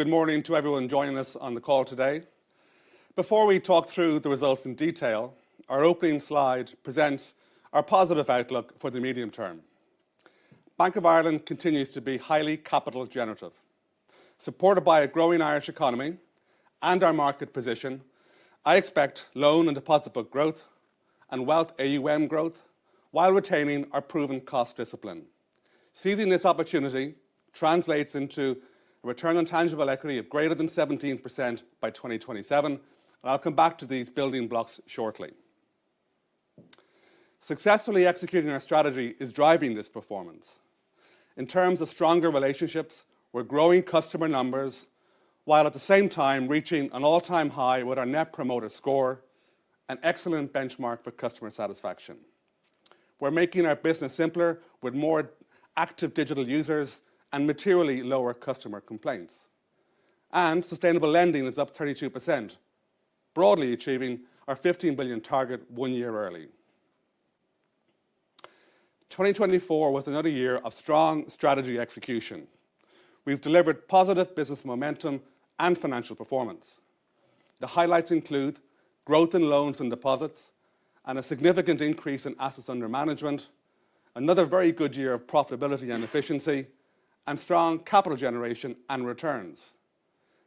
Good morning to everyone joining us on the call today. Before we talk through the results in detail, our opening slide presents our positive outlook for the medium term. Bank of Ireland continues to be highly capital-generative. Supported by a growing Irish economy and our market position, I expect loan and deposit book growth and wealth AUM growth, while retaining our proven cost discipline. Seizing this opportunity translates into a return on tangible equity of greater than 17% by 2027, and I'll come back to these building blocks shortly. Successfully executing our strategy is driving this performance. In terms of stronger relationships, we're growing customer numbers while at the same time reaching an all-time high with our Net Promoter Score, an excellent benchmark for customer satisfaction. We're making our business simpler with more active digital users and materially lower customer complaints. Sustainable lending is up 32%, broadly achieving our €15 billion target one year early. 2024 was another year of strong strategy execution. We've delivered positive business momentum and financial performance. The highlights include growth in loans and deposits, and a significant increase in assets under management, another very good year of profitability and efficiency, and strong capital generation and returns.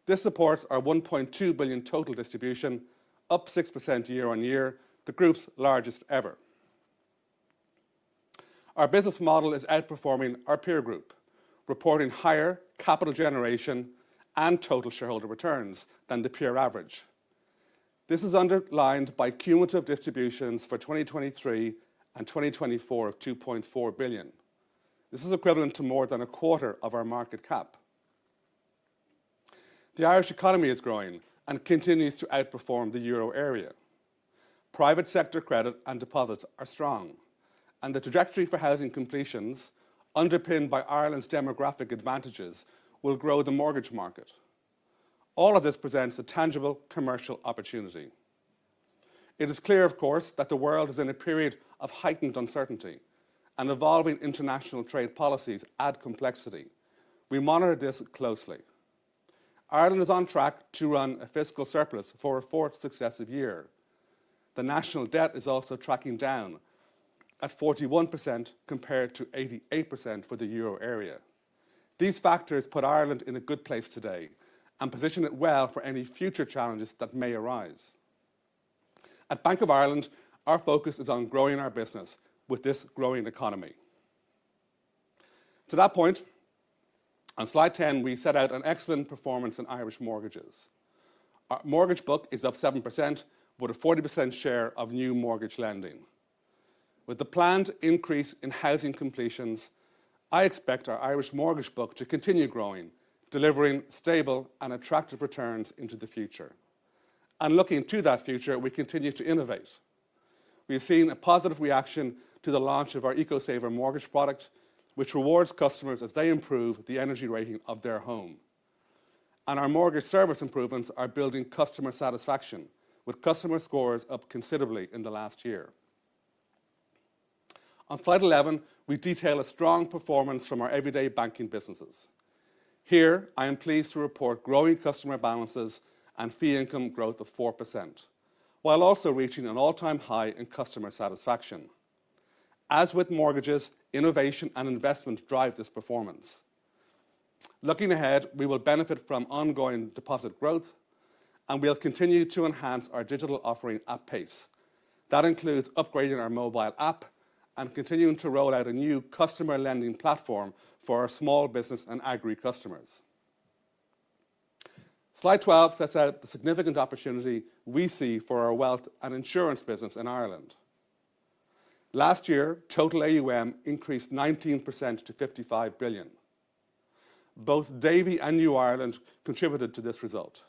This supports our €1.2 billion total distribution, up 6% year on year, the group's largest ever. Our business model is outperforming our peer group, reporting higher capital generation and total shareholder returns than the peer average. This is underlined by cumulative distributions for 2023 and 2024 of €2.4 billion. This is equivalent to more than a quarter of our market cap. The Irish economy is growing and continues to outperform the Euro area. Private sector credit and deposits are strong, and the trajectory for housing completions, underpinned by Ireland's demographic advantages, will grow the mortgage market. All of this presents a tangible commercial opportunity. It is clear, of course, that the world is in a period of heightened uncertainty, and evolving international trade policies add complexity. We monitor this closely. Ireland is on track to run a fiscal surplus for a fourth successive year. The national debt is also tracking down at 41% compared to 88% for the Euro area. These factors put Ireland in a good place today and position it well for any future challenges that may arise. At Bank of Ireland, our focus is on growing our business with this growing economy. To that point, on Slide 10, we set out an excellent performance in Irish mortgages. Our mortgage book is up 7% with a 40% share of new mortgage lending. With the planned increase in housing completions, I expect our Irish mortgage book to continue growing, delivering stable and attractive returns into the future. And looking to that future, we continue to innovate. We've seen a positive reaction to the launch of our EcoSaver Mortgage product, which rewards customers as they improve the energy rating of their home. And our mortgage service improvements are building customer satisfaction, with customer scores up considerably in the last year. On Slide 11, we detail a strong performance from our everyday banking businesses. Here, I am pleased to report growing customer balances and fee income growth of 4%, while also reaching an all-time high in customer satisfaction. As with mortgages, innovation and investment drive this performance. Looking ahead, we will benefit from ongoing deposit growth, and we'll continue to enhance our digital offering at pace. That includes upgrading our mobile app and continuing to roll out a new customer lending platform for our small business and agri customers. Slide 12 sets out the significant opportunity we see for our wealth and insurance business in Ireland. Last year, total AUM increased 19% to €55 billion. Both Davy and New Ireland Assurance contributed to this result.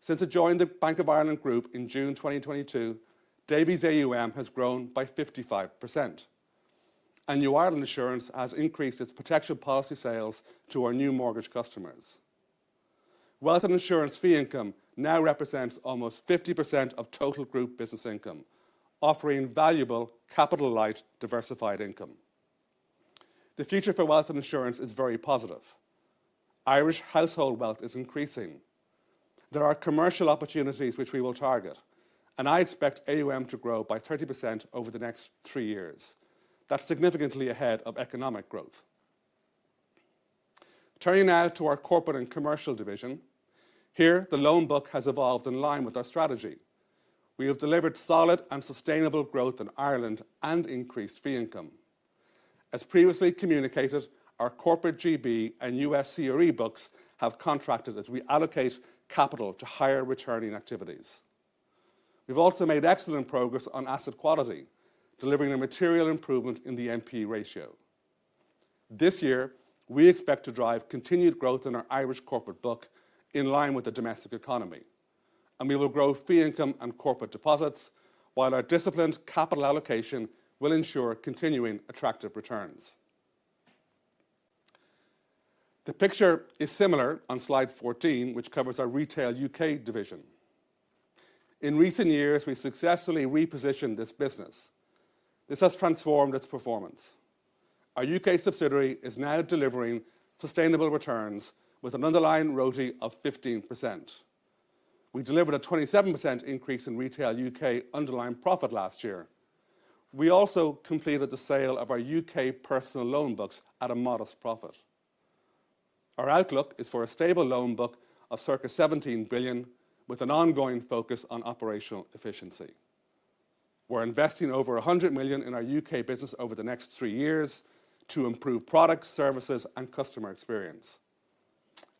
Since it joined the Bank of Ireland Group in June 2022, Davy's AUM has grown by 55%, and New Ireland Assurance has increased its protection policy sales to our new mortgage customers. Wealth and insurance fee income now represents almost 50% of total group business income, offering valuable capital-light diversified income. The future for wealth and insurance is very positive. Irish household wealth is increasing. There are commercial opportunities which we will target, and I expect AUM to grow by 30% over the next three years. That's significantly ahead of economic growth. Turning now to our corporate and commercial division, here the loan book has evolved in line with our strategy. We have delivered solid and sustainable growth in Ireland and increased fee income. As previously communicated, our Corporate GB and U.S. CRE books have contracted as we allocate capital to higher returning activities. We've also made excellent progress on asset quality, delivering a material improvement in the NPE ratio. This year, we expect to drive continued growth in our Irish corporate book in line with the domestic economy, and we will grow fee income and corporate deposits, while our disciplined capital allocation will ensure continuing attractive returns. The picture is similar on Slide 14, which covers our retail U.K. division. In recent years, we successfully repositioned this business. This has transformed its performance. Our U.K. subsidiary is now delivering sustainable returns with an underlying ROTE of 15%. We delivered a 27% increase in retail U.K. underlying profit last year. We also completed the sale of our U.K. personal loan books at a modest profit. Our outlook is for a stable loan book of circa €17 billion, with an ongoing focus on operational efficiency. We're investing over €100 million in our U.K. business over the next three years to improve products, services, and customer experience,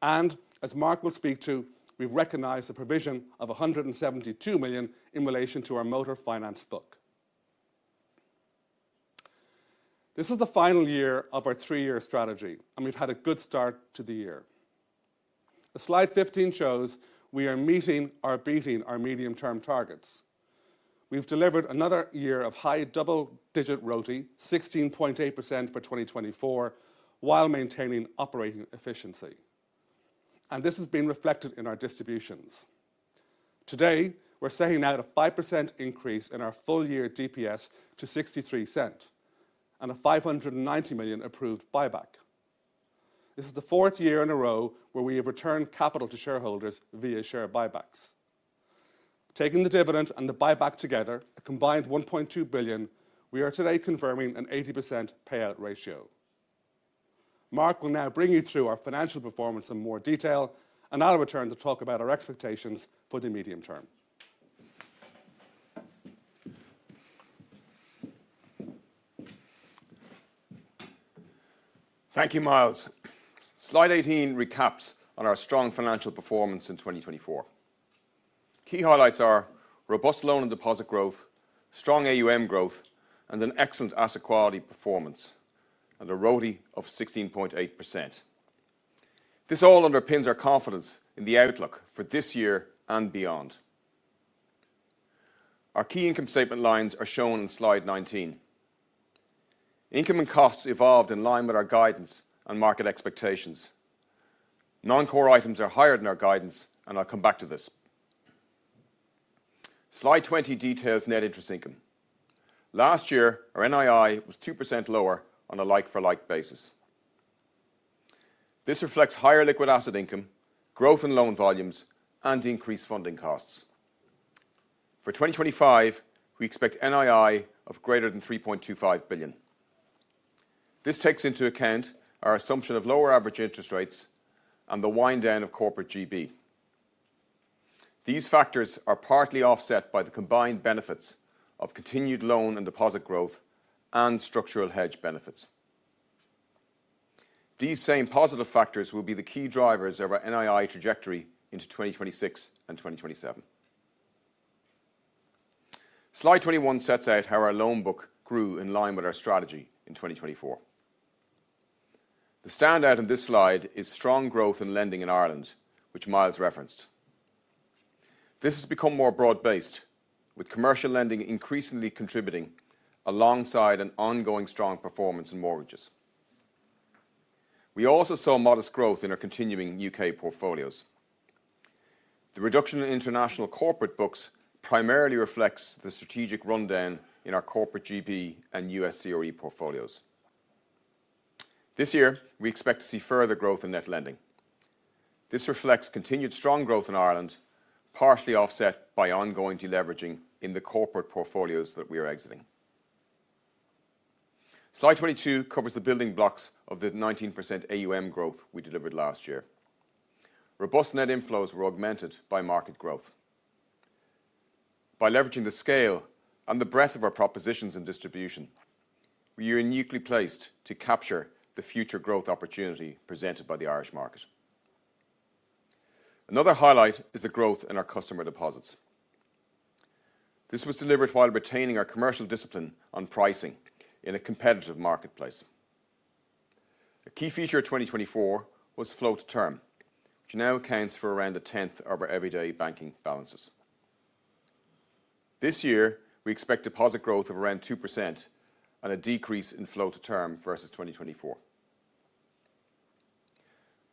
and as Mark will speak to, we've recognized a provision of €172 million in relation to our motor finance book. This is the final year of our three-year strategy, and we've had a good start to the year. Slide 15 shows we are meeting or beating our medium-term targets. We've delivered another year of high double-digit ROTE, 16.8% for 2024, while maintaining operating efficiency. This has been reflected in our distributions. Today, we're setting out a 5% increase in our full-year DPS to €0.63 and a €590 million approved buyback. This is the fourth year in a row where we have returned capital to shareholders via share buybacks. Taking the dividend and the buyback together, a combined €1.2 billion, we are today confirming an 80% payout ratio. Mark will now bring you through our financial performance in more detail, and I'll return to talk about our expectations for the medium term. Thank you, Myles. Slide 18 recaps on our strong financial performance in 2024. Key highlights are robust loan and deposit growth, strong AUM growth, and an excellent asset quality performance, and a ROTE of 16.8%. This all underpins our confidence in the outlook for this year and beyond. Our key income statement lines are shown in Slide 19. Income and costs evolved in line with our guidance and market expectations. Non-core items are higher than our guidance, and I'll come back to this. Slide 20 details net interest income. Last year, our NII was 2% lower on a like-for-like basis. This reflects higher liquid asset income, growth in loan volumes, and increased funding costs. For 2025, we expect NII of greater than €3.25 billion. This takes into account our assumption of lower average interest rates and the wind down of corporate GB. These factors are partly offset by the combined benefits of continued loan and deposit growth and structural hedge benefits. These same positive factors will be the key drivers of our NII trajectory into 2026 and 2027. Slide 21 sets out how our loan book grew in line with our strategy in 2024. The standout in this slide is strong growth in lending in Ireland, which Myles referenced. This has become more broad-based, with commercial lending increasingly contributing alongside an ongoing strong performance in mortgages. We also saw modest growth in our continuing U.K. portfolios. The reduction in international corporate books primarily reflects the strategic rundown in our corporate GB and U.S. CRE portfolios. This year, we expect to see further growth in net lending. This reflects continued strong growth in Ireland, partially offset by ongoing deleveraging in the corporate portfolios that we are exiting. Slide 22 covers the building blocks of the 19% AUM growth we delivered last year. Robust net inflows were augmented by market growth. By leveraging the scale and the breadth of our propositions and distribution, we are uniquely placed to capture the future growth opportunity presented by the Irish market. Another highlight is the growth in our customer deposits. This was delivered while retaining our commercial discipline on pricing in a competitive marketplace. A key feature of 2024 was flow to term, which now accounts for around a tenth of our everyday banking balances. This year, we expect deposit growth of around 2% and a decrease in flow to term versus 2024.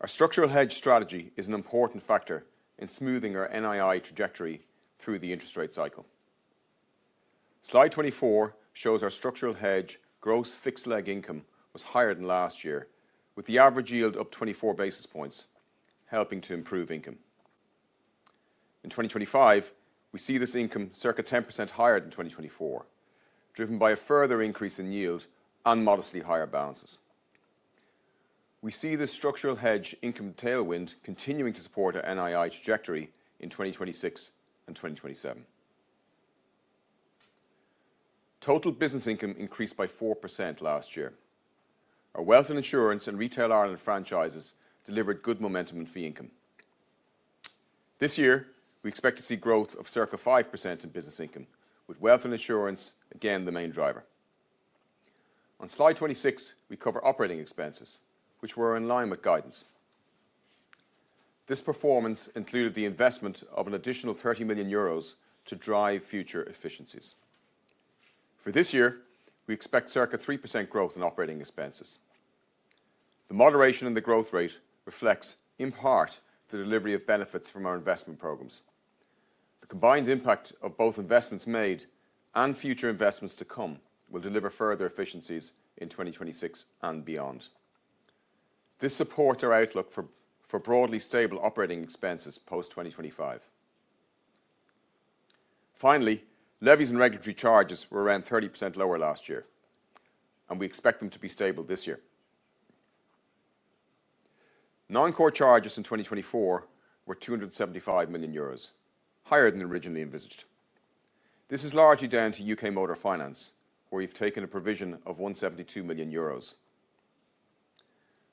Our structural hedge strategy is an important factor in smoothing our NII trajectory through the interest rate cycle. Slide 24 shows our structural hedge gross fixed leg income was higher than last year, with the average yield up 24 basis points, helping to improve income. In 2025, we see this income circa 10% higher than 2024, driven by a further increase in yield and modestly higher balances. We see this structural hedge income tailwind continuing to support our NII trajectory in 2026 and 2027. Total business income increased by 4% last year. Our wealth and insurance and retail Ireland franchises delivered good momentum in fee income. This year, we expect to see growth of circa 5% in business income, with wealth and insurance again the main driver. On Slide 26, we cover operating expenses, which were in line with guidance. This performance included the investment of an additional 30 million euros to drive future efficiencies. For this year, we expect circa 3% growth in operating expenses. The moderation in the growth rate reflects in part the delivery of benefits from our investment programs. The combined impact of both investments made and future investments to come will deliver further efficiencies in 2026 and beyond. This supports our outlook for broadly stable operating expenses post 2025. Finally, levies and regulatory charges were around 30% lower last year, and we expect them to be stable this year. Non-core charges in 2024 were 275 million euros, higher than originally envisaged. This is largely down to U.K. motor finance, where we've taken a provision of 172 million euros.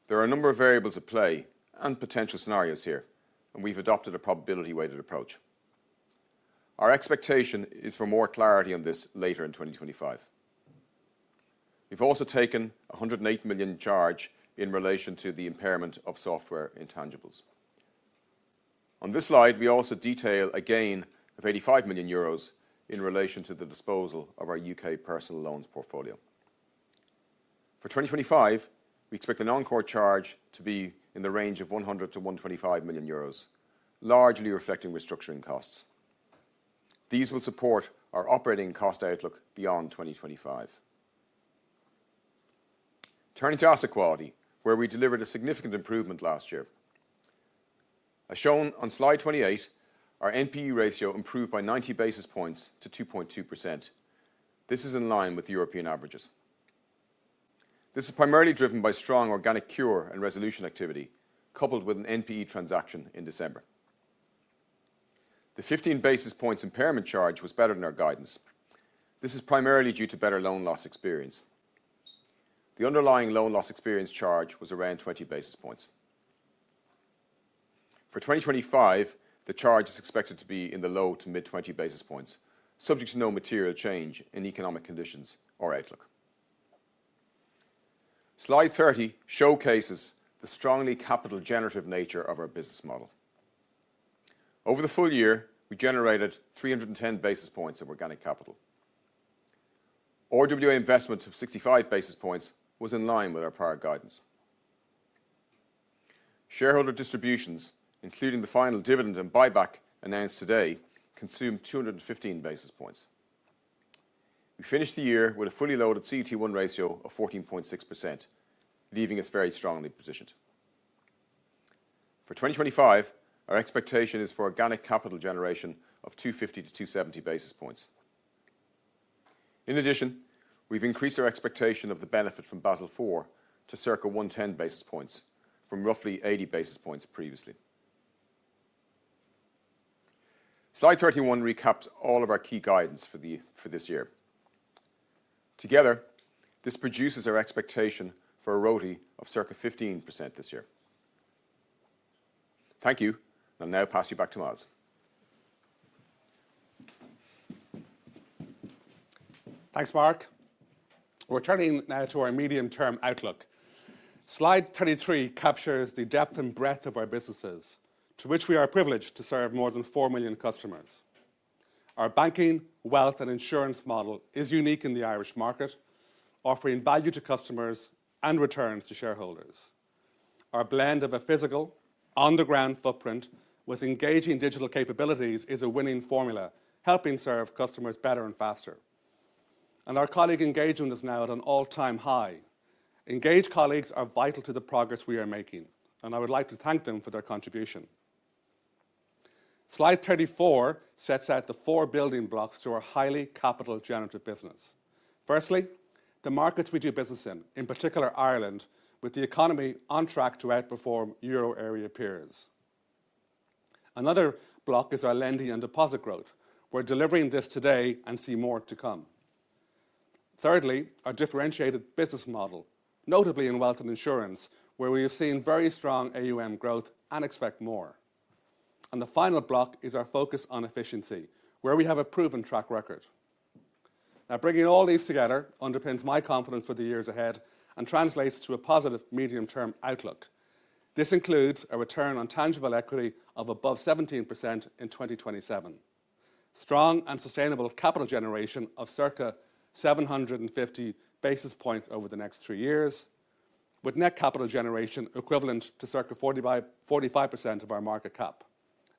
There are a number of variables at play and potential scenarios here, and we've adopted a probability-weighted approach. Our expectation is for more clarity on this later in 2025. We've also taken a 108 million charge in relation to the impairment of software intangibles. On this slide, we also detail a gain of 85 million euros in relation to the disposal of our U.K. personal loans portfolio. For 2025, we expect the non-core charge to be in the range of 100 million-125 million euros, largely reflecting restructuring costs. These will support our operating cost outlook beyond 2025. Turning to asset quality, where we delivered a significant improvement last year. As shown on Slide 28, our NPE ratio improved by 90 basis points to 2.2%. This is in line with European averages. This is primarily driven by strong organic cure and resolution activity, coupled with an NPE transaction in December. The 15 basis points impairment charge was better than our guidance. This is primarily due to better loan loss experience. The underlying loan loss experience charge was around 20 basis points. For 2025, the charge is expected to be in the low to mid-20 basis points, subject to no material change in economic conditions or outlook. Slide 30 showcases the strongly capital-generative nature of our business model. Over the full year, we generated 310 basis points of organic capital. RWA investment of 65 basis points was in line with our prior guidance. Shareholder distributions, including the final dividend and buyback announced today, consumed 215 basis points. We finished the year with a fully loaded CET1 ratio of 14.6%, leaving us very strongly positioned. For 2025, our expectation is for organic capital generation of 250-270 basis points. In addition, we've increased our expectation of the benefit from Basel IV to circa 110 basis points, from roughly 80 basis points previously. Slide 31 recaps all of our key guidance for this year. Together, this produces our expectation for a ROTE of circa 15% this year. Thank you, and I'll now pass you back to Myles. Thanks, Mark. We're turning now to our medium-term outlook. Slide 33 captures the depth and breadth of our businesses, to which we are privileged to serve more than four million customers. Our banking, wealth, and insurance model is unique in the Irish market, offering value to customers and returns to shareholders. Our blend of a physical, underpinned footprint with engaging digital capabilities is a winning formula, helping serve customers better and faster. Our colleague engagement is now at an all-time high. Engaged colleagues are vital to the progress we are making, and I would like to thank them for their contribution. Slide 34 sets out the four building blocks to our highly capital-generative business. Firstly, the markets we do business in, in particular Ireland, with the economy on track to outperform Euro area peers. Another block is our lending and deposit growth. We're delivering this today and see more to come. Thirdly, our differentiated business model, notably in wealth and insurance, where we have seen very strong AUM growth and expect more. And the final block is our focus on efficiency, where we have a proven track record. Now, bringing all these together underpins my confidence for the years ahead and translates to a positive medium-term outlook. This includes a return on tangible equity of above 17% in 2027, strong and sustainable capital generation of circa 750 basis points over the next three years, with net capital generation equivalent to circa 45% of our market cap.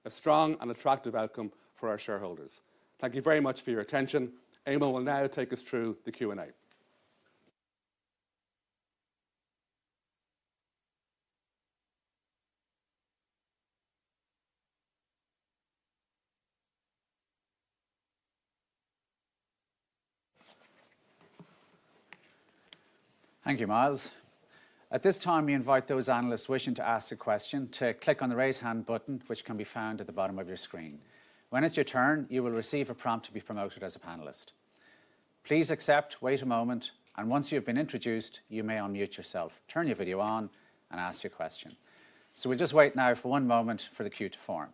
A strong and attractive outcome for our shareholders. Thank you very much for your attention. Eamonn will now take us through the Q&A. Thank you, Myles. At this time, we invite those analysts wishing to ask a question to click on the raise hand button, which can be found at the bottom of your screen. When it's your turn, you will receive a prompt to be promoted as a panelist. Please accept, wait a moment, and once you have been introduced, you may unmute yourself, turn your video on, and ask your question. We'll just wait now for one moment for the queue to form.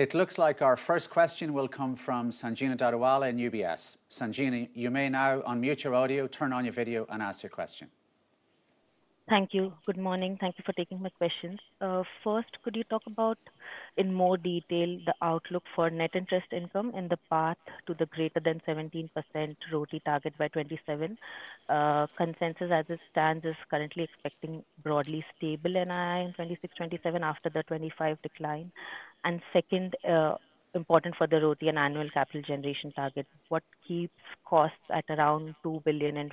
It looks like our first question will come from Sanjana Dhadawala in UBS. Sanjana, you may now unmute your audio, turn on your video, and ask your question. Thank you. Good morning. Thank you for taking my question. First, could you talk about, in more detail, the outlook for net interest income and the path to the greater than 17% ROTE target by 2027? Consensus, as it stands, is currently expecting broadly stable NII in 2026-2027 after the 2025 decline. And second, important for the ROTE and annual capital generation target, what keeps costs at around €2 billion in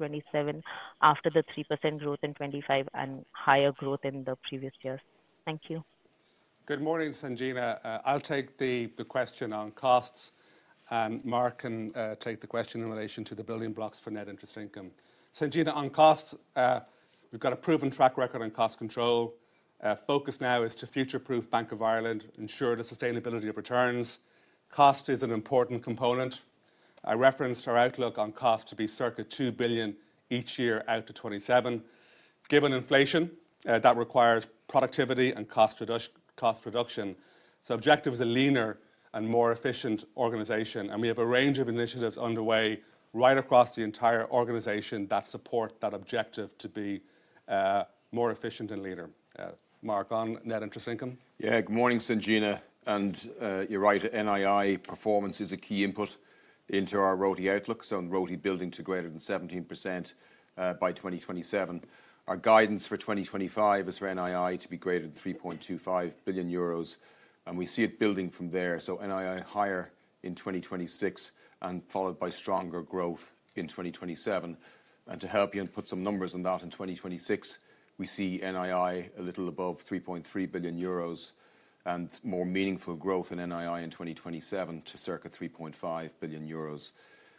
2026-2027 after the 3% growth in 2025 and higher growth in the previous years? Thank you. Good morning, Sanjana. I'll take the question on costs, and Mark can take the question in relation to the building blocks for net interest income. Sanjana, on costs, we've got a proven track record on cost control. Focus now is to future-proof Bank of Ireland, ensure the sustainability of returns. Cost is an important component. I referenced our outlook on cost to be circa 2 billion each year out to 2027. Given inflation, that requires productivity and cost reduction. So the objective is a leaner and more efficient organization, and we have a range of initiatives underway right across the entire organization that support that objective to be more efficient and leaner. Mark, on net interest income. Yeah, good morning, Sanjana, and you're right, NII performance is a key input into our ROTE outlook, so ROTE building to greater than 17% by 2027. Our guidance for 2025 is for NII to be greater than 3.25 billion euros, and we see it building from there, so NII higher in 2026 and followed by stronger growth in 2027, and to help you and put some numbers on that, in 2026, we see NII a little above 3.3 billion euros and more meaningful growth in NII in 2027 to circa 3.5 billion euros.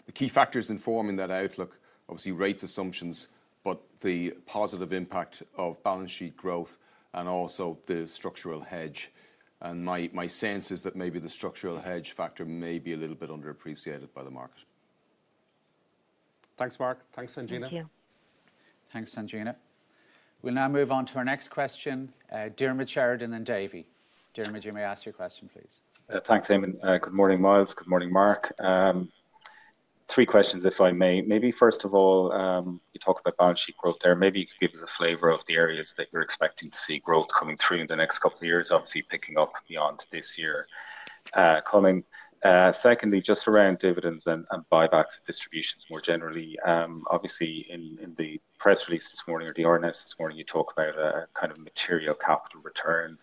The key factors informing that outlook, obviously, rate assumptions, but the positive impact of balance sheet growth and also the structural hedge, and my sense is that maybe the structural hedge factor may be a little bit underappreciated by the market. Thanks, Mark. Thanks, Sanjina. Thank you. Thanks, Sanjina. We'll now move on to our next question. Dermot Sheridan and Davy. Dermot, you may ask your question, please. Thanks, Eamonn. Good morning, Myles. Good morning, Mark. Three questions, if I may. Maybe, first of all, you talked about balance sheet growth there. Maybe you could give us a flavor of the areas that you're expecting to see growth coming through in the next couple of years, obviously picking up beyond this year, coming. Secondly, just around dividends and buybacks and distributions more generally. Obviously, in the press release this morning or the RNS this morning, you talk about a kind of material capital return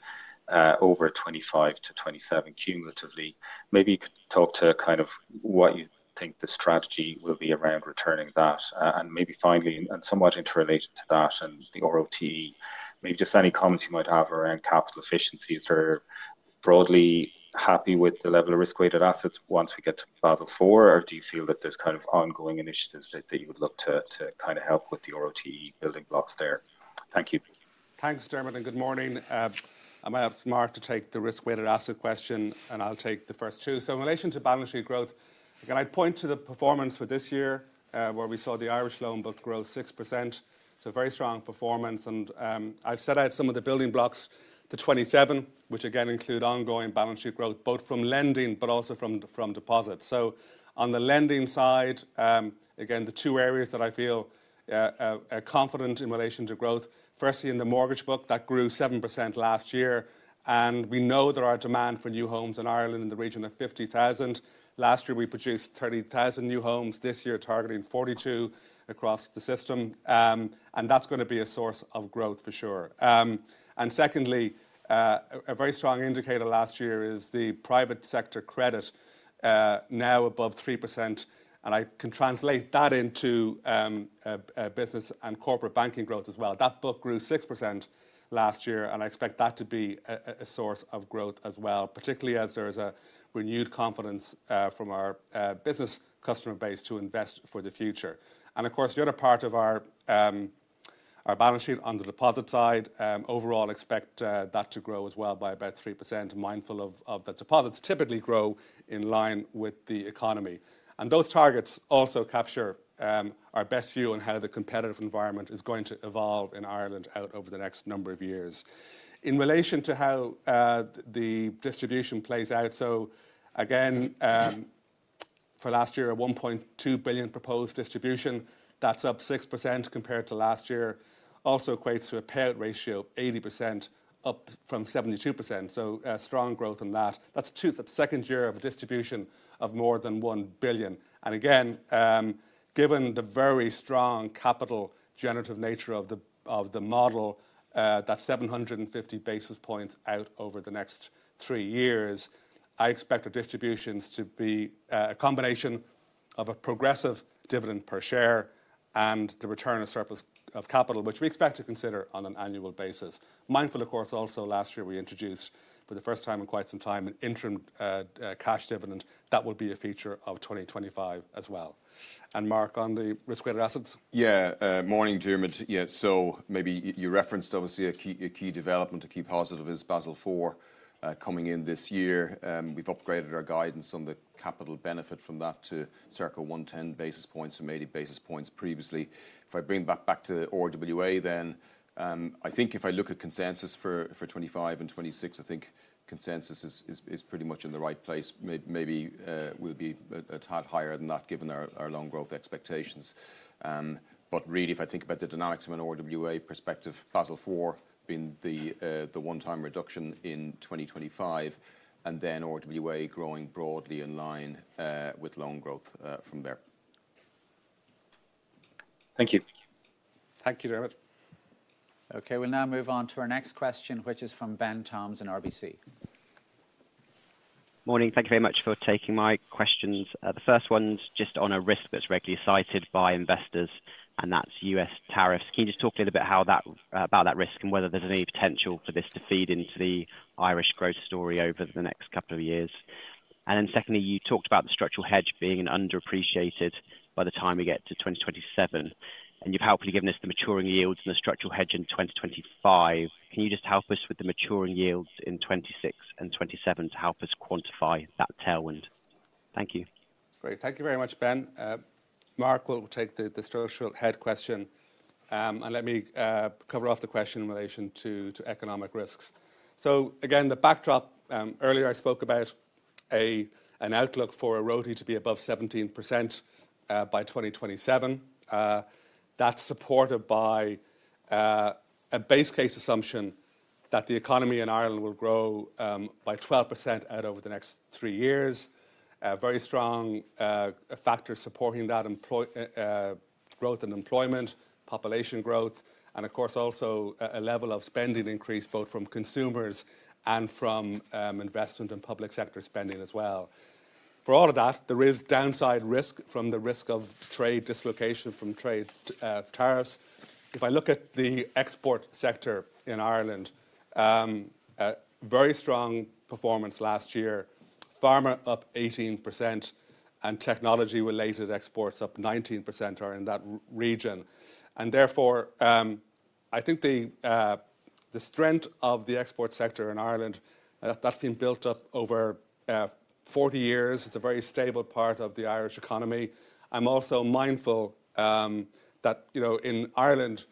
over 2025 to 2027 cumulatively. Maybe you could talk to kind of what you think the strategy will be around returning that. And maybe finally, and somewhat interrelated to that and the ROTE, maybe just any comments you might have around capital efficiency. Are you broadly happy with the level of Risk-Weighted Assets once we get to Basel IV, or do you feel that there's kind of ongoing initiatives that you would look to kind of help with the regulatory building blocks there? Thank you. Thanks, Dermot, and good morning. I'm going to ask Mark to take the risk-weighted asset question, and I'll take the first two. In relation to balance sheet growth, again, I'd point to the performance for this year, where we saw the Irish loan book grow 6%. Very strong performance. And I've set out some of the building blocks to 2027, which again include ongoing balance sheet growth, both from lending but also from deposits. So on the lending side, again, the two areas that I feel are confident in relation to growth, firstly in the mortgage book, that grew 7% last year. And we know that our demand for new homes in Ireland in the region of 50,000. Last year, we produced 30,000 new homes. This year, targeting 42,000 across the system. And that's going to be a source of growth for sure. And secondly, a very strong indicator last year is the private sector credit now above 3%. And I can translate that into business and corporate banking growth as well. That book grew 6% last year, and I expect that to be a source of growth as well, particularly as there is a renewed confidence from our business customer base to invest for the future. And of course, the other part of our balance sheet on the deposit side, overall, expect that to grow as well by about 3%, mindful of that deposits typically grow in line with the economy. And those targets also capture our best view on how the competitive environment is going to evolve in Ireland out over the next number of years. In relation to how the distribution plays out for last year, a 1.2 billion proposed distribution, that's up 6% compared to last year, also equates to a payout ratio of 80% up from 72%, strong growth on that. That's the second year of a distribution of more than 1 billion, and again, given the very strong capital-generative nature of the model, that's 750 basis points out over the next three years. I expect the distributions to be a combination of a progressive dividend per share and the return of capital, which we expect to consider on an annual basis. Mindful, of course, also last year we introduced for the first time in quite some time an interim cash dividend. That will be a feature of 2025 as well, and Mark, on the risk-weighted assets? Yeah, morning, Dermot. Yeah, so maybe you referenced, obviously, a key development to keep positive is Basel IV coming in this year. We've upgraded our guidance on the capital benefit from that to circa 110 basis points or 80 basis points previously. If I bring that back to RWA then, I think if I look at consensus for 2025 and 2026, I think consensus is pretty much in the right place. Maybe we'll be a tad higher than that given our long growth expectations. But really, if I think about the dynamics from an RWA perspective, Basel IV being the one-time reduction in 2025, and then RWA growing broadly in line with long growth from there. Thank you. Thank you, Dermot. Okay, we'll now move on to our next question, which is from Ben Toms in RBC. Morning, thank you very much for taking my questions. The first one's just on a risk that's regularly cited by investors, and that's U.S. tariffs. Can you just talk a little bit about that risk and whether there's any potential for this to feed into the Irish growth story over the next couple of years? And then secondly, you talked about the structural hedge being underappreciated by the time we get to 2027, and you've helpfully given us the maturing yields and the structural hedge in 2025. Can you just help us with the maturing yields in 2026 and 2027 to help us quantify that tailwind? Thank you. Great, thank you very much, Ben. Mark will take the structural hedge question, and let me cover off the question in relation to economic risks. So again, the backdrop, earlier I spoke about an outlook for a ROTE to be above 17% by 2027. That's supported by a base case assumption that the economy in Ireland will grow by 12% out over the next three years. Very strong factors supporting that: growth in employment, population growth, and of course, also a level of spending increase both from consumers and from investment and public sector spending as well. For all of that, there is downside risk from the risk of trade dislocation from trade tariffs. If I look at the export sector in Ireland, very strong performance last year, pharma up 18%, and technology-related exports up 19% are in that region. And therefore, I think the strength of the export sector in Ireland, that's been built up over 40 years. It's a very stable part of the Irish economy. I'm also mindful that in Ireland,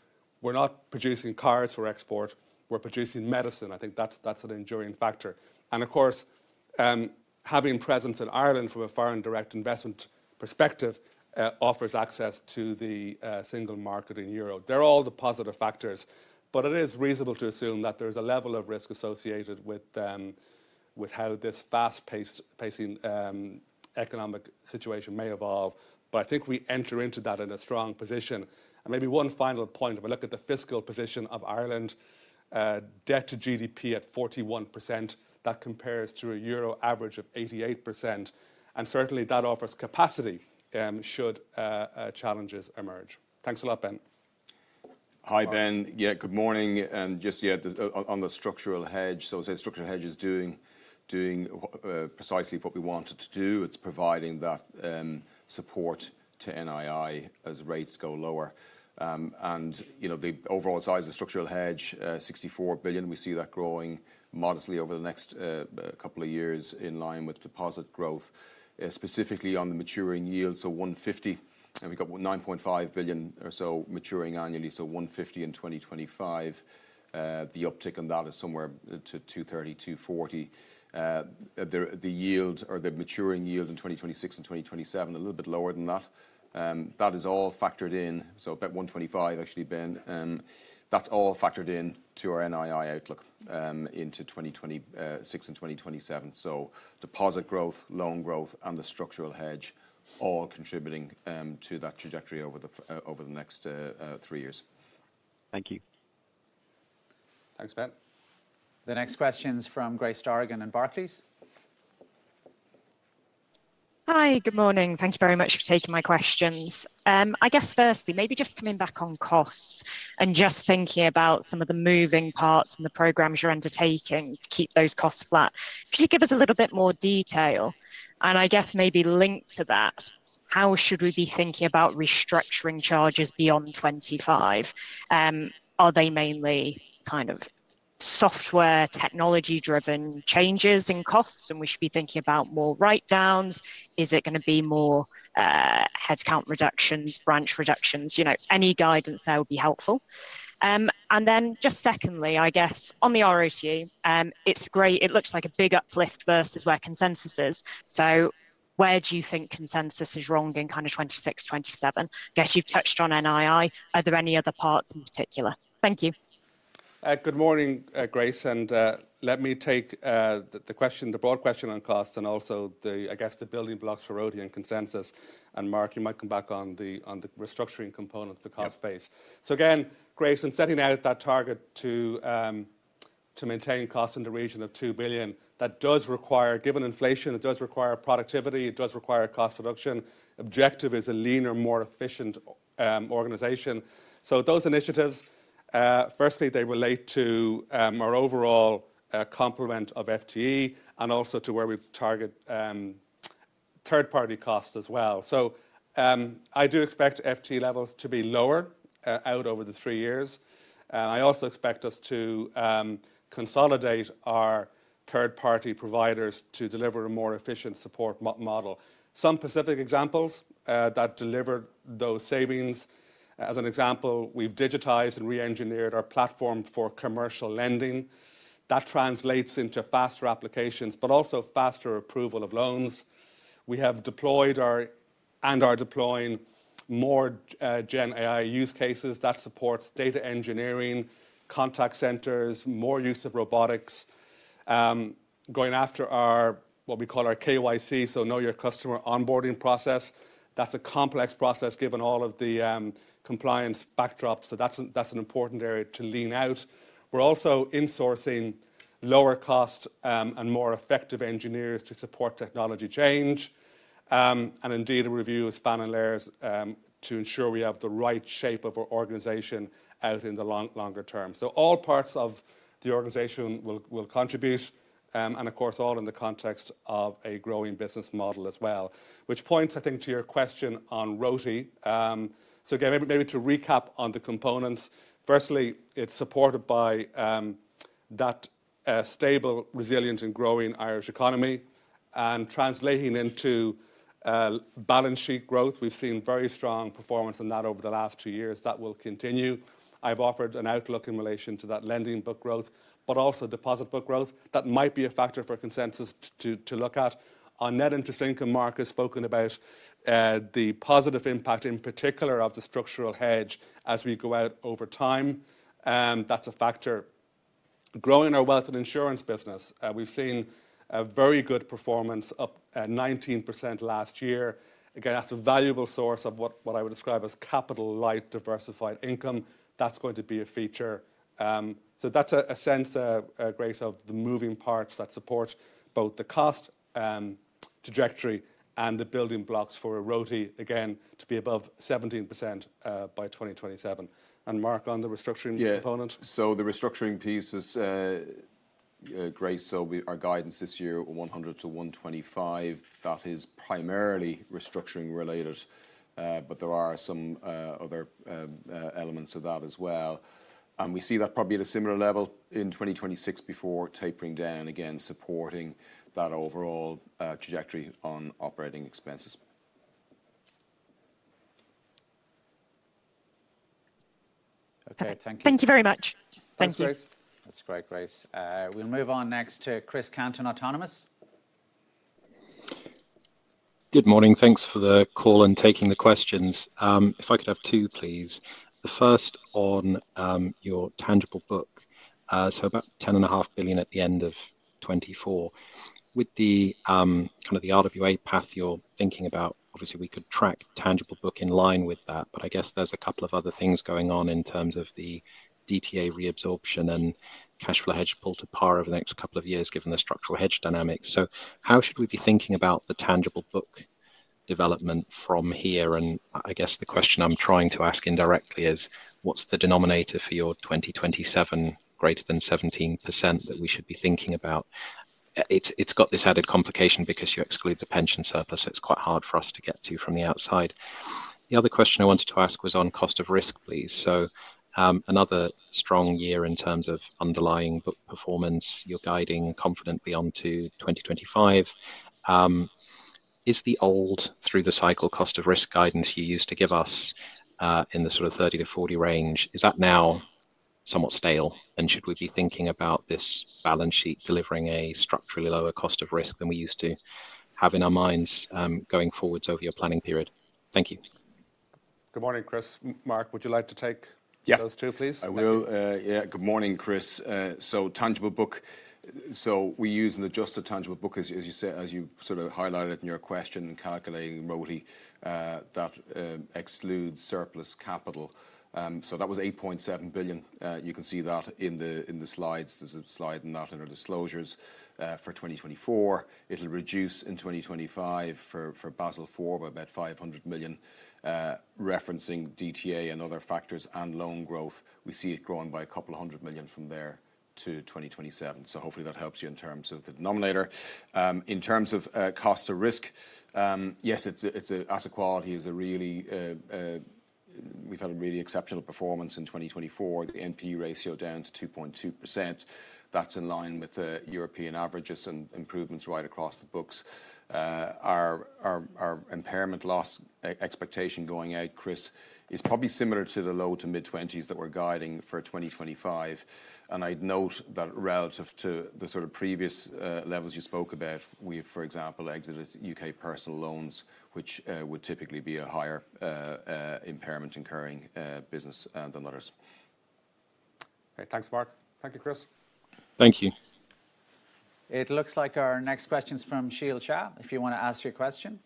we're not producing cars for export. We're producing medicine. I think that's an enduring factor. And of course, having presence in Ireland from a foreign direct investment perspective offers access to the single market in euro. They're all the positive factors, but it is reasonable to assume that there is a level of risk associated with how this fast-paced economic situation may evolve. But I think we enter into that in a strong position. And maybe one final point, if I look at the fiscal position of Ireland, debt to GDP at 41%, that compares to a euro average of 88%. And certainly, that offers capacity should challenges emerge. Thanks a lot, Ben. Hi, Ben. Yeah, good morning. And just yet on the structural hedge, so to say, the structural hedge is doing precisely what we want it to do. It's providing that support to NII as rates go lower. And the overall size of the structural hedge, €64 billion, we see that growing modestly over the next couple of years in line with deposit growth, specifically on the maturing yield, so 150. And we've got €9.5 billion or maturing annually, so 150 in 2025. The uptick on that is somewhere to 230-240. The yield or the maturing yield in 2026 and 2027, a little bit lower than that. That is all factored in. About 125, actually, Ben. That's all factored into our NII outlook into 2026 and 2027. Deposit growth, loan growth, and the structural hedge all contributing to that trajectory over the next three years. Thank you. Thanks, Ben. The next question is from Grace Dargan in Barclays. Hi, good morning. Thank you very much for taking my questions. I guess firstly, maybe just coming back on costs and just thinking about some of the moving parts and the programs you're undertaking to keep those costs flat. Can you give us a little bit more detail? And I guess maybe linked to that, how should we be thinking about restructuring charges beyond 2025? Are they mainly kind of software technology-driven changes in costs, and we should be thinking about more write-downs? Is it going to be more headcount reductions, branch reductions? Any guidance there would be helpful. And then just secondly, I guess on the ROTE, it looks like a big uplift versus where consensus is. So where do you think consensus is wrong in kind of 2026, 2027? I guess you've touched on NII. Are there any other parts in particular? Thank you. Good morning, Grace. And let me take the question, the broad question on costs and also the, I guess, the building blocks for ROTE and consensus. And Mark, you might come back on the restructuring component of the cost base. Grace, in setting out that target to maintain costs in the region of €2 billion, that does require, given inflation, it does require productivity, it does require cost reduction. Objective is a leaner, more efficient organization. So those initiatives, firstly, they relate to our overall complement of FTE and also to where we target third-party costs as well. I do expect FTE levels to be lower out over the three years. I also expect us to consolidate our third-party providers to deliver a more efficient support model. Some specific examples that deliver those savings, as an example, we've digitized and re-engineered our platform for commercial lending. That translates into faster applications, but also faster approval of loans. We have deployed and are deploying more GenAI use cases. That supports data engineering, contact centers, more use of robotics, going after what we call our KYC, know your customer onboarding process. That's a complex process given all of the compliance backdrop. That's an important area to lean out. We're also insourcing lower-cost and more effective engineers to support technology change. And indeed, we review span and layers to ensure we have the right shape of our organization out in the longer term. All parts of the organization will contribute, and of course, all in the context of a growing business model as well, which points, I think, to your question on royalty. Maybe to recap on the components, firstly, it's supported by that stable, resilient, and growing Irish economy and translating into balance sheet growth. We've seen very strong performance in that over the last two years. That will continue. I've offered an outlook in relation to that lending book growth, but also deposit book growth. That might be a factor for consensus to look at. On net interest income, Mark has spoken about the positive impact in particular of the structural hedge as we go out over time. That's a factor. Growing our wealth and insurance business, we've seen a very good performance up 19% last year. Again, that's a valuable source of what I would describe as capital-light diversified income. That's going to be a feature. That's a sense, Grace, of the moving parts that support both the cost trajectory and the building blocks for a ROTE, again, to be above 17% by 2027. Mark, on the restructuring component? Yeah, the restructuring pieces, Grace, our guidance this year 100-125, that is primarily restructuring related, but there are some other elements of that as well, and we see that probably at a similar level in 2026 before tapering down, again, supporting that overall trajectory on operating expenses. Okay, thank you. Thank you very much. Thanks, Grace. That's great, Grace. We'll move on next to Chris Cant of Autonomous. Good morning. Thanks for the call and taking the questions. If I could have two, please. The first on your tangible book, about €10.5 billion at the end of 2024. With the kind of the RWA path you're thinking about, obviously, we could track tangible book in line with that, but I guess there's a couple of other things going on in terms of the DTA reabsorption and cash flow hedge pull to par over the next couple of years given the structural hedge dynamics. How should we be thinking about the tangible book development from here? And I guess the question I'm trying to ask indirectly is, what's the denominator for your 2027 greater than 17% that we should be thinking about? It's got this added complication because you exclude the pension surplus, so it's quite hard for us to get to from the outside. The other question I wanted to ask was on cost of risk, please. So another strong year in terms of underlying book performance, you're guiding confidently onto 2025. Is the old through-the-cycle cost of risk guidance you used to give us in the sort of 30-40 range, is that now somewhat stale? And should we be thinking about this balance sheet delivering a structurally lower cost of risk than we used to have in our minds going forward over your planning period? Thank you. Good morning, Chris. Mark, would you like to take those two, please? Yeah, I will. Yeah, good morning, Chris. So tangible book, we use an adjusted tangible book, as you said, as you sort of highlighted in your question, calculating ROTE that excludes surplus capital. That was €8.7 billion. You can see that in the slides. There's a slide in that under disclosures for 2024. It'll reduce in 2025 for Basel IV by about €500 million, referencing DTA and other factors and loan growth. We see it growing by a couple of hundred million from there to 2027. Hopefully that helps you in terms of the denominator. In terms of cost of risk, yes, asset quality is a really, we've had a really exceptional performance in 2024. The NPE ratio down to 2.2%. That's in line with the European averages and improvements right across the books. Our impairment loss expectation going out, Chris, is probably similar to the low-to-mid-20s that we're guiding for 2025. And I'd note that relative to the sort of previous levels you spoke about, we've, for example, exited U.K. personal loans, which would typically be a higher impairment-incurring business than others. Okay, thanks, Mark. Thank you, Chris. Thank you. It looks like our next question's from Shiel Shah, if you want to ask your question.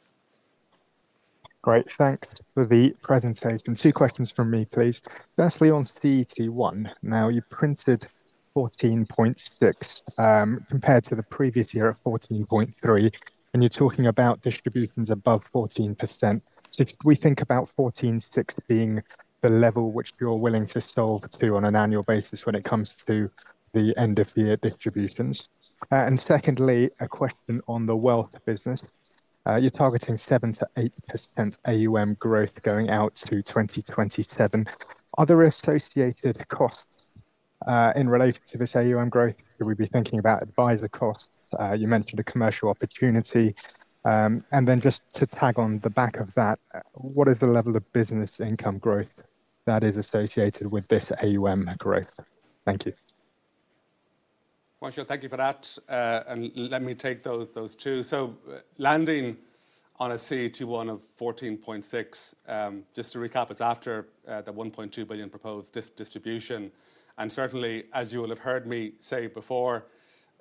Great, thanks for the presentation. Two questions from me, please. Firstly, on CT1, now you've printed 14.6 compared to the previous year at 14.3, and you're talking about distributions above 14%. So we think about 14.6 being the level which you're willing to solve to on an annual basis when it comes to the end-of-year distributions. And secondly, a question on the wealth business. You're targeting 7%-8% AUM growth going out to 2027. Are there associated costs in relation to this AUM growth? Could we be thinking about advisor costs? You mentioned a commercial opportunity. And then just to tag on the back of that, what is the level of business income growth that is associated with this AUM growth? Thank you. Sure, thank you for that. Let me take those two. Landing on a CET1 of 14.6%, just to recap, it's after the €1.2 billion proposed distribution. Certainly, as you will have heard me say before,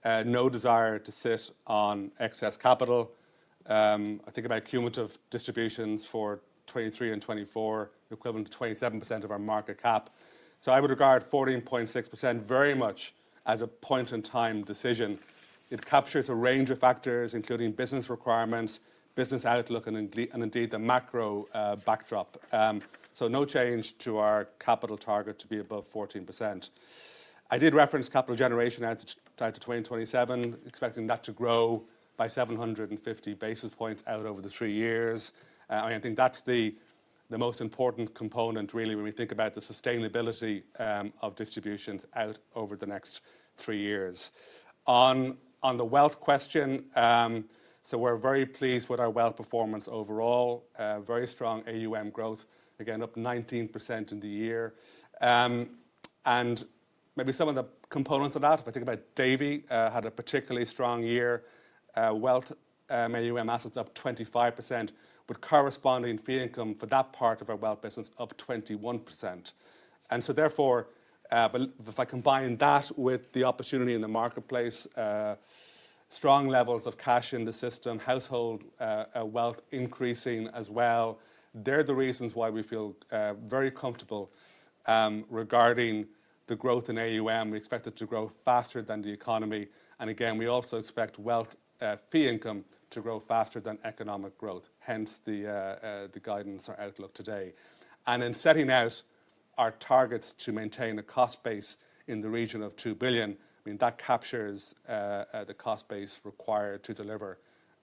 no desire to sit on excess capital. I think about cumulative distributions for 2023 and 2024, equivalent to 27% of our market cap. I would regard 14.6% very much as a point-in-time decision. It captures a range of factors, including business requirements, business outlook, and indeed the macro backdrop. No change to our capital target to be above 14%. I did reference capital generation out to 2027, expecting that to grow by 750 basis points out over the three years. I think that's the most important component, really, when we think about the sustainability of distributions out over the next three years. On the wealth question, so we're very pleased with our wealth performance overall, very strong AUM growth, again, up 19% in the year. And maybe some of the components of that, if I think about Davy, had a particularly strong year, wealth AUM assets up 25%, would correspond in fee income for that part of our wealth business up 21%. And therefore, if I combine that with the opportunity in the marketplace, strong levels of cash in the system, household wealth increasing as well, they're the reasons why we feel very comfortable regarding the growth in AUM. We expect it to grow faster than the economy. And again, we also expect wealth fee income to grow faster than economic growth, hence the guidance or outlook today. In setting out our targets to maintain a cost base in the region of 2 billion, that captures the cost base required to deliver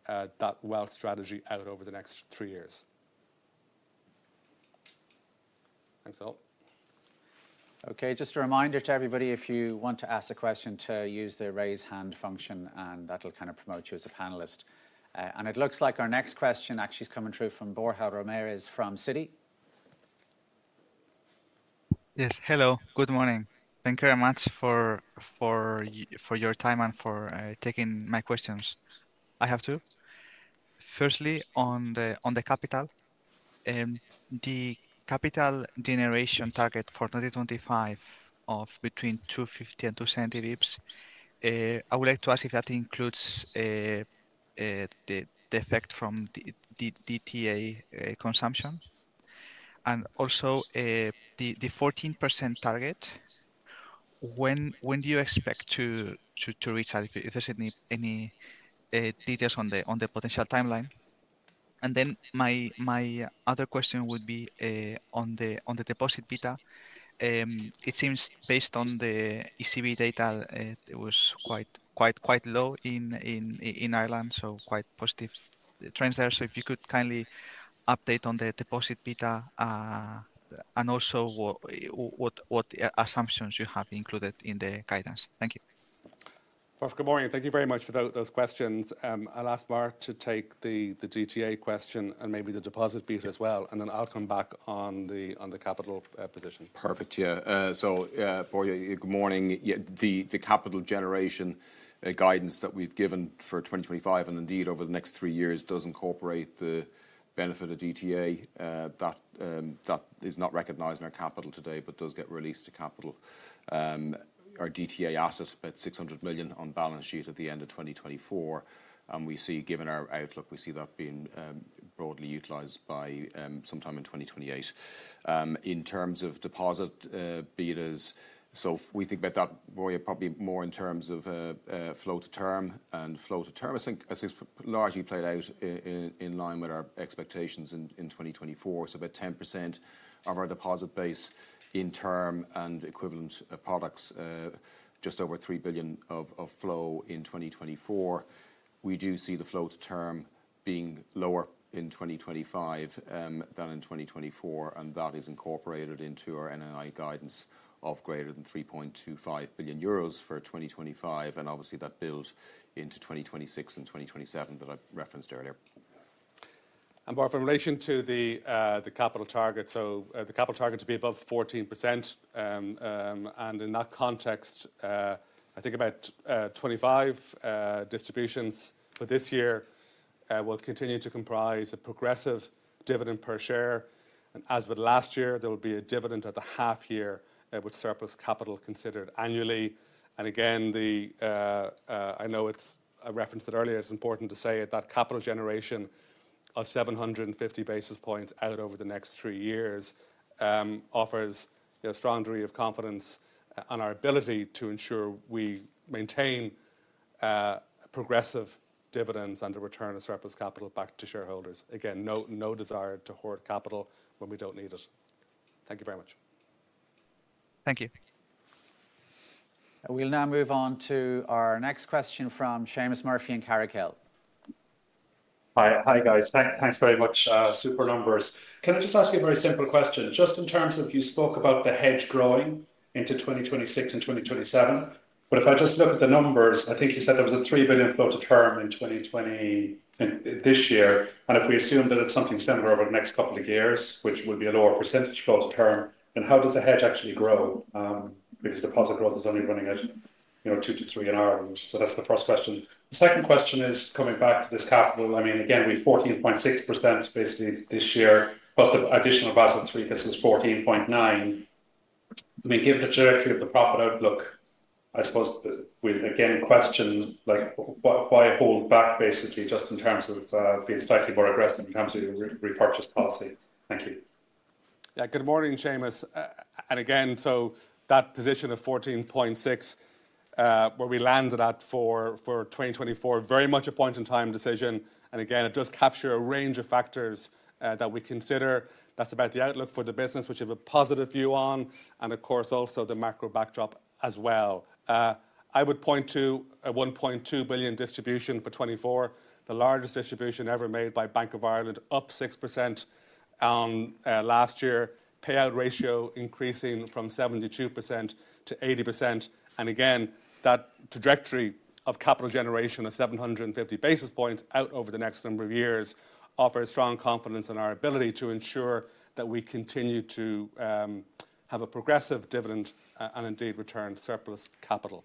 that wealth strategy out over the next three years. Thanks, all. Okay, just a reminder to everybody, if you want to ask a question, to use the raise hand function, and that'll kind of promote you as a panelist, and it looks like our next question actually is coming through from Borja Ramirez from Citi. Yes, hello, good morning. Thank you very much for your time and for taking my questions. I have two. Firstly, on the capital, the capital generation target for 2025 of between 250 and 270 basis points, I would like to ask if that includes the effect from the DTA consumption. And also the 14% target, when do you expect to reach that? If there's any details on the potential timeline. And then my other question would be on the deposit beta. It seems based on the ECB data, it was quite low in Ireland, quite positive trends there. If you could kindly update on the deposit beta and also what assumptions you have included in the guidance. Thank you. Perfect, good morning. Thank you very much for those questions. I'll ask Mark to take the DTA question and maybe the deposit beta as well, and then I'll come back on the capital position. Perfect, yeah. So Borja, good morning. The capital generation guidance that we've given for 2025 and indeed over the next three years does incorporate the benefit of DTA. That is not recognized in our capital today, but does get released to capital. Our DTA asset is about 600 million on balance sheet at the end of 2024, and we see, given our outlook, we see that being broadly utilized by sometime in 2028. In terms of deposit betas, so we think about that, Borja, probably more in terms of flow to term. And flow to term, I think, has largely played out in line with our expectations in 2024, about 10% of our deposit base in term and equivalent products, just over 3 billion of flow in 2024. We do see the flow to term being lower in 2025 than in 2024, and that is incorporated into our NII guidance of greater than 3.25 billion euros for 2025, and obviously, that builds into 2026 and 2027 that I referenced earlier. And Mark, in relation to the capital target, so the capital target to be above 14%. And in that context, I think about 25 distributions for this year will continue to comprise a progressive dividend per share. And as with last year, there will be a dividend at the half year with surplus capital considered annually. And again, I know I referenced it earlier. It's important to say that capital generation of 750 basis points out over the next three years offers a strong degree of confidence on our ability to ensure we maintain progressive dividends and the return of surplus capital back to shareholders. Again, no desire to hoard capital when we don't need it. Thank you very much. Thank you. We'll now move on to our next question from Seamus Murphy and Carraighill. Hi, guys. Thanks very much. Super numbers. Can I just ask you a very simple question? Just in terms of, you spoke about the hedge growing into 2026 and 2027, but if I just look at the numbers, I think you said there was a €3 billion flow to term in this year. And if we assume that it's something similar over the next couple of years, which would be a lower percentage flow to term, then how does the hedge actually grow? Because deposit growth is only running at 2%-3% a year. So that's the first question. The second question is coming back to this capital. Again, we have 14.6% basically this year, but the additional Basel III gives us 14.9%. Given the trajectory of the profit outlook, I suppose we'd again question why hold back basically just in terms of being slightly more aggressive in terms of your repurchase policy? Thank you. Yeah, good morning, Seamus. And again, so that position of 14.6 where we landed at for 2024, very much a point-in-time decision. And again, it does capture a range of factors that we consider. That's about the outlook for the business, which we have a positive view on, and of course also the macro backdrop as well. I would point to a €1.2 billion distribution for 2024, the largest distribution ever made by Bank of Ireland, up 6% last year. Payout ratio increasing from 72% to 80%. And again, that trajectory of capital generation of 750 basis points out over the next number of years offers strong confidence in our ability to ensure that we continue to have a progressive dividend and indeed return surplus capital.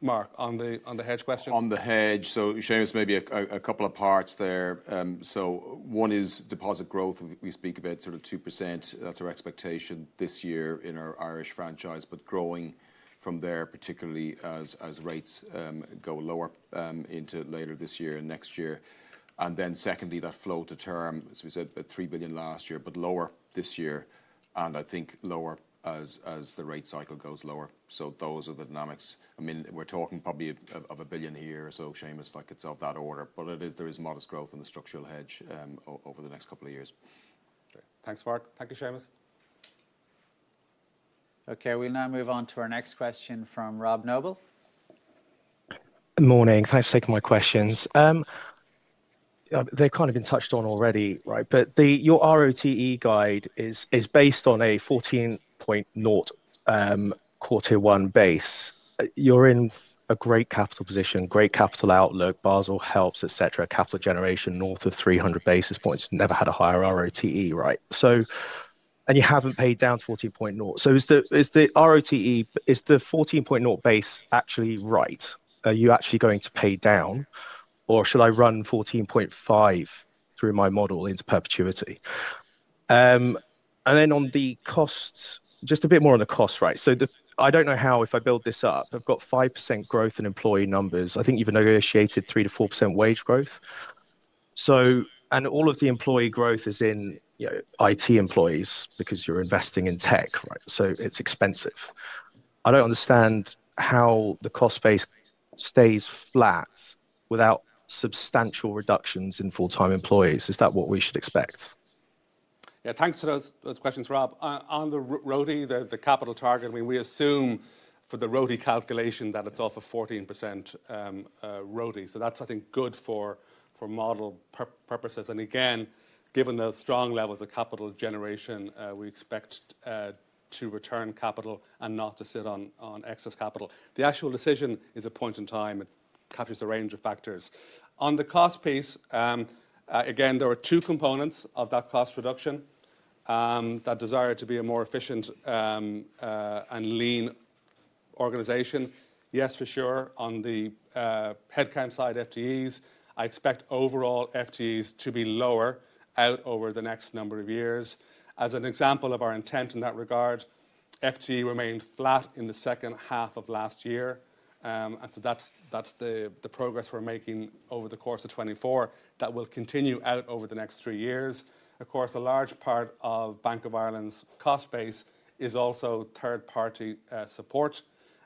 Mark, on the hedge question? On the hedge, so Seamus, maybe a couple of parts there. One is deposit growth. We speak about sort of 2%. That's our expectation this year in our Irish franchise, but growing from there, particularly as rates go lower into later this year and next year. And then secondly, that flow to term, as we said, about 3 billion last year, but lower this year. And I think lower as the rate cycle goes lower. Those are the dynamics. We're talking probably of 1 billion a year or so, Seamus, like it's of that order. But there is modest growth in the structural hedge over the next couple of years. Thanks, Mark. Thank you, Seamus. Okay, we'll now move on to our next question from Rob Noble. Good morning. Thanks for taking my questions. They're kind of been touched on already, right? But your ROTE guide is based on a 14.0 Q1 base. You're in a great capital position, great capital outlook, Basel helps, et cetera, capital generation north of 300 basis points. Never had a higher ROTE, right? And you haven't paid down to 14.0. So is the ROTE, is the 14.0 base actually right? Are you actually going to pay down? Or should I run 14.5 through my model into perpetuity? And then on the costs, just a bit more on the costs, right? So I don't know how, if I build this up, I've got 5% growth in employee numbers. I think you've negotiated 3%-4% wage growth. And all of the employee growth is in IT employees because you're investing in tech, right? It's expensive. I don't understand how the cost base stays flat without substantial reductions in full-time employees. Is that what we should expect? Yeah, thanks for those questions, Rob. On the ROTE, the capital target, we assume for the ROTE calculation that it's off of 14% ROTE. So that's, I think, good for model purposes. Again, given the strong levels of capital generation, we expect to return capital and not to sit on excess capital. The actual decision is a point in time. It captures the range of factors. On the cost piece, again, there are two components of that cost reduction, that desire to be a more efficient and lean organization. Yes, for sure. On the headcount side, FTEs, I expect overall FTEs to be lower out over the next number of years. As an example of our intent in that regard, FTE remained flat in the second half of last year. That's the progress we're making over the course of 2024 that will continue out over the next three years. Of course, a large part of Bank of Ireland's cost base is also third-party support.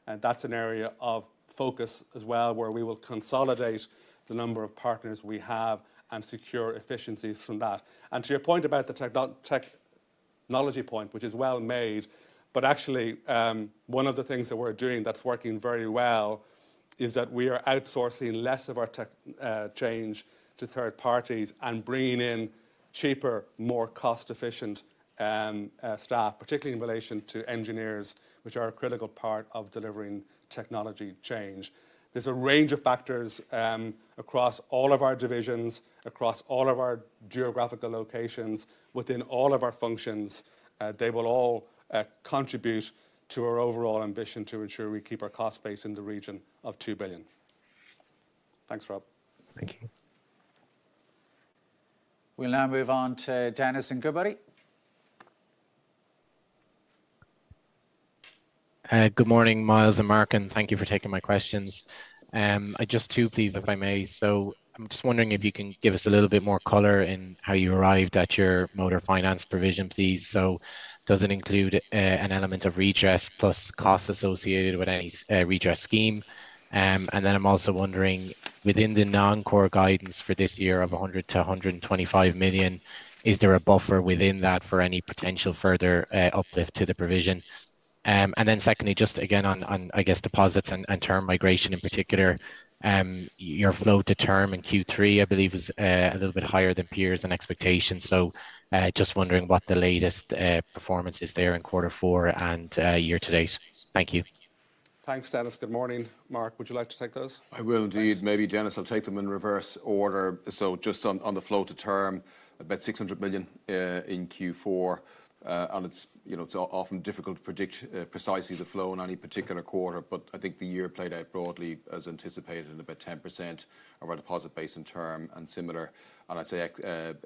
That's an area of focus as well where we will consolidate the number of partners we have and secure efficiencies from that. To your point about the technology point, which is well made. But actually one of the things that we're doing that's working very well is that we are outsourcing less of our change to third parties and bringing in cheaper, more cost-efficient staff, particularly in relation to engineers, which are a critical part of delivering technology change. There's a range of factors across all of our divisions, across all of our geographical locations, within all of our functions. They will all contribute to our overall ambition to ensure we keep our cost base in the region of €2 billion. Thanks, Rob. Thank you. We'll now move on to Denis and Goodbody. Good morning, Myles and Mark, and thank you for taking my questions. Just two pieces, if I may. I'm just wondering if you can give us a little bit more color in how you arrived at your motor finance provision, please. Does it include an element of redress plus cost associated with any redress scheme? And then I'm also wondering, within the non-core guidance for this year of 100-125 million, is there a buffer within that for any potential further uplift to the provision? And then secondly, just again, on, I guess, deposits and term migration in particular, your flow to term in Q3, I believe, was a little bit higher than peers and expectations. Just wondering what the latest performance is there in Q4 and year to date. Thank you. Thanks, Denis. Good morning. Mark, would you like to take those? I will indeed. Maybe, Denis, I'll take them in reverse order, just on the flow to term, about 600 million in Q4. It's often difficult to predict precisely the flow in any particular quarter, but I think the year played out broadly as anticipated in about 10% of our deposit base in term and similar, and I'd say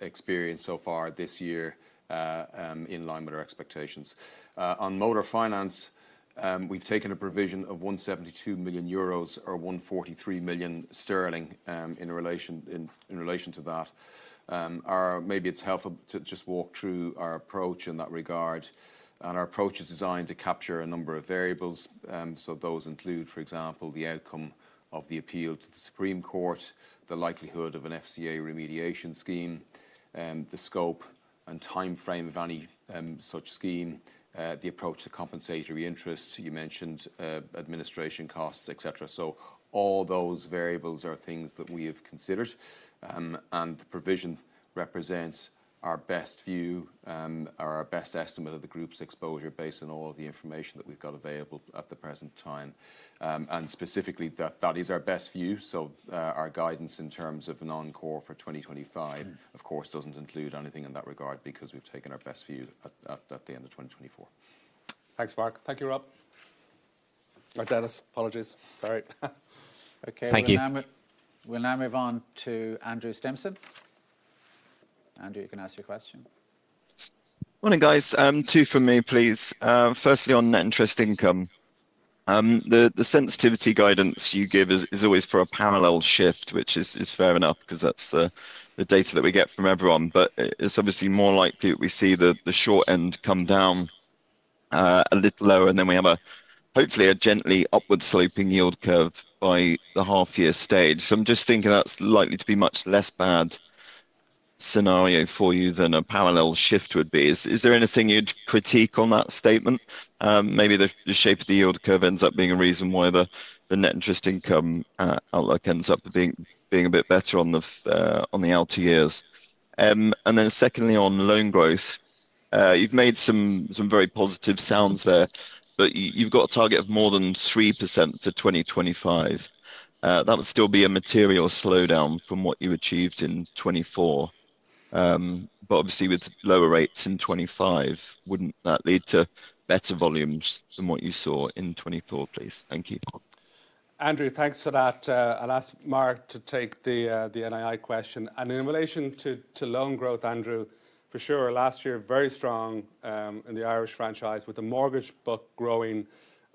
experience far this year in line with our expectations. On motor finance, we've taken a provision of 172 million euros or 143 million sterling in relation to that. Maybe it's helpful to just walk through our approach in that regard, and our approach is designed to capture a number of variables. Those include, for example, the outcome of the appeal to the Supreme Court, the likelihood of an FCA remediation scheme, the scope and timeframe of any such scheme, the approach to compensatory interests you mentioned, administration costs, et cetera. All those variables are things that we have considered. The provision represents our best view, our best estimate of the group's exposure based on all of the information that we've got available at the present time. Specifically, that is our best view. Our guidance in terms of non-core for 2025, of course, doesn't include anything in that regard because we've taken our best view at the end of 2024. Thanks, Mark. Thank you, Rob. Denis, apologies. Sorry. Thank you. We'll now move on to Andrew Stimpson. Andrew, you can ask your question. Morning, guys. Two from me, please. Firstly, on net interest income. The sensitivity guidance you give is always for a parallel shift, which is fair enough because that's the data that we get from everyone. But it's obviously more likely that we see the short end come down a little lower, and then we have hopefully a gently upward sloping yield curve by the half-year stage. So I'm just thinking that's likely to be a much less bad scenario for you than a parallel shift would be. Is there anything you'd critique on that statement? Maybe the shape of the yield curve ends up being a reason why the net interest income outlook ends up being a bit better on the outer years. And then secondly, on loan growth, you've made some very positive sounds there, but you've got a target of more than 3% for 2025. That would still be a material slowdown from what you achieved in 2024. But obviously, with lower rates in 2025, wouldn't that lead to better volumes than what you saw in 2024, please? Thank you. Andrew, thanks for that. I'll ask Mark to take the NII question. And in relation to loan growth, Andrew, for sure, last year, very strong in the Irish franchise with the mortgage book growing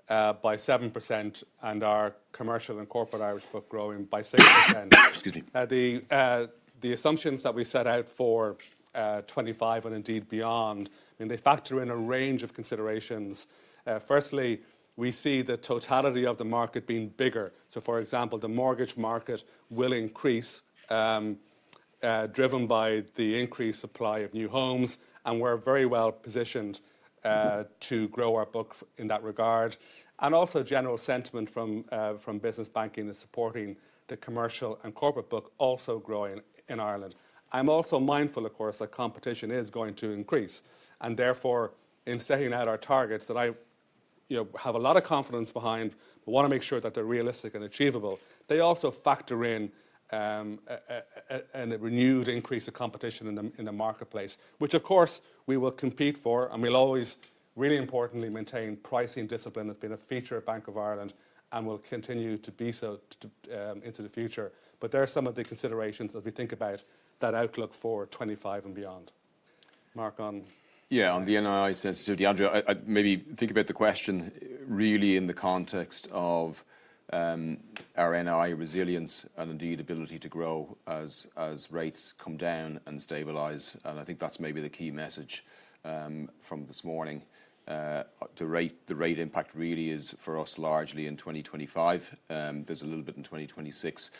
by 7% and our commercial and corporate Irish book growing by 6%. The assumptions that we set out for 2025 and indeed beyond, they factor in a range of considerations. Firstly, we see the totality of the market being bigger. So, for example, the mortgage market will increase driven by the increased supply of new homes. And we're very well positioned to grow our book in that regard. And also, general sentiment from business banking is supporting the commercial and corporate book also growing in Ireland. I'm also mindful, of course, that competition is going to increase. And therefore, in setting out our targets that I have a lot of confidence behind, I want to make sure that they're realistic and achievable. They also factor in a renewed increase of competition in the marketplace, which, of course, we will compete for. We'll always, really importantly, maintain pricing discipline. It's been a feature of Bank of Ireland and will continue to be so into the future. There are some of the considerations as we think about that outlook for 2025 and beyond. Mark, on. Yeah, on the NII sensitivity, Andrew, maybe think about the question really in the context of our NII resilience and indeed ability to grow as rates come down and stabilize, and I think that's maybe the key message from this morning. The rate impact really is for us largely in 2025. There's a little bit in 2026,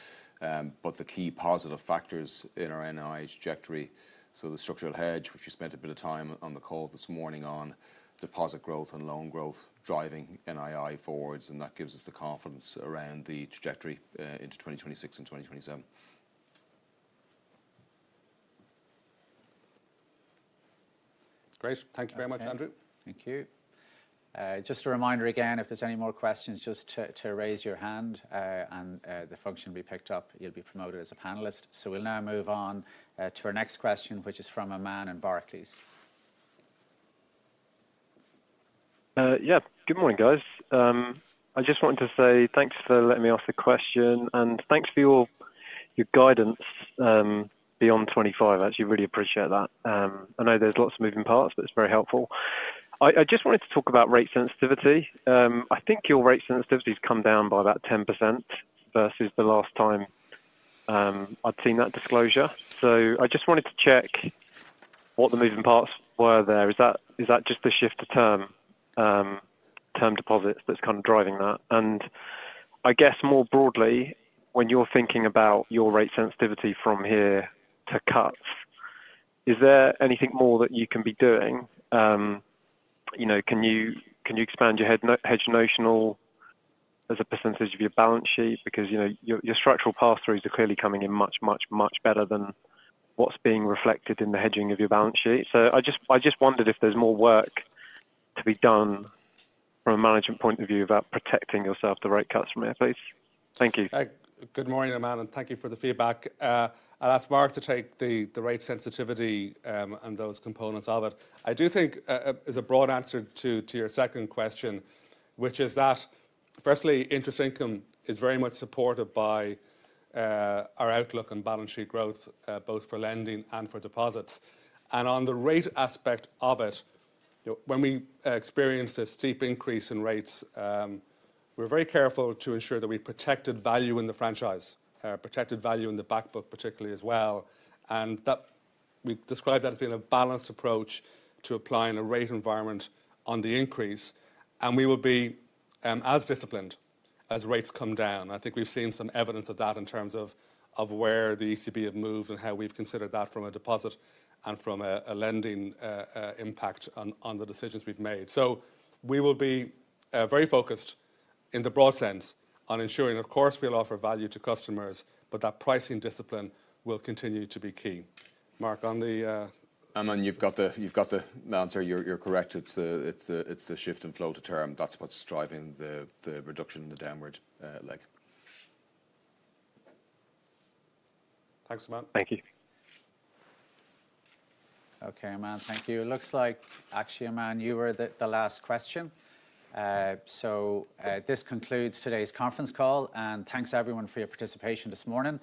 but the key positive factors in our NII trajectory, so the structural hedge, which we spent a bit of time on the call this morning on deposit growth and loan growth driving NII forwards, and that gives us the confidence around the trajectory into 2026 and 2027. Great. Thank you very much, Andrew. Thank you. Just a reminder again, if there's any more questions, just to raise your hand and the function will be picked up. You'll be promoted as a panelist. So we'll now move on to our next question, which is from Aman Rakkar, please. Yes, good morning, guys. I just wanted to say thanks for letting me ask the question and thanks for your guidance beyond 2025. I actually really appreciate that. I know there's lots of moving parts, but it's very helpful. I just wanted to talk about rate sensitivity. I think your rate sensitivity has come down by about 10% versus the last time I'd seen that disclosure. So I just wanted to check what the moving parts were there. Is that just the shift to term deposits that's kind of driving that? And I guess more broadly, when you're thinking about your rate sensitivity from here to cuts, is there anything more that you can be doing? Can you expand your hedge notional as a percentage of your balance sheet? Because your structural pass-throughs are clearly coming in much, much, much better than what's being reflected in the hedging of your balance sheet. So I just wondered if there's more work to be done from a management point of view about protecting yourself to rate cuts from here, please? Thank you. Good morning, Aman, and thank you for the feedback. I'll ask Mark to take the rate sensitivity and those components of it. I do think it's a broad answer to your second question, which is that, firstly, interest income is very much supported by our outlook on balance sheet growth, both for lending and for deposits, and on the rate aspect of it, when we experienced a steep increase in rates, we were very careful to ensure that we protected value in the franchise, protected value in the backbook particularly as well. And we described that as being a balanced approach to applying a rate environment on the increase, and we will be as disciplined as rates come down. I think we've seen some evidence of that in terms of where the ECB have moved and how we've considered that from a deposit and from a lending impact on the decisions we've made. So we will be very focused in the broad sense on ensuring, of course, we'll offer value to customers, but that pricing discipline will continue to be key. Mark, on the. Aman, you've got the answer. You're correct. It's the shift in flow to term. That's what's driving the reduction in the downward leg. Thanks, Aman. Thank you. Okay, Aman, thank you. It looks like, actually, Aman, you were the last question. So this concludes today's conference call. And thanks, everyone, for your participation this morning.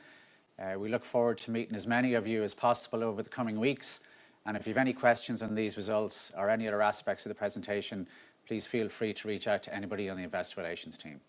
We look forward to meeting as many of you as possible over the coming weeks. And if you have any questions on these results or any other aspects of the presentation, please feel free to reach out to anybody on the Investor Relations team.